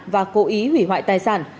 và cố ý hủy hoại tài sản